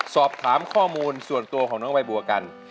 สอบถามข้อมูลส่วนตัวของน้องใบบัวกัน